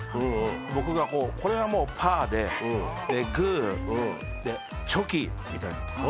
僕がこう、これはもうパーで、グー、チョキみたいな。